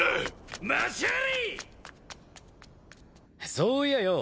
そういやよ